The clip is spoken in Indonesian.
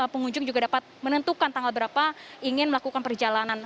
pengunjung juga dapat menentukan tanggal berapa ingin melakukan perjalanan